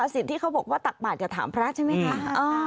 สิทธิ์ที่เขาบอกว่าตักบาดจะถามพระราชใช่ไหมคะอ่า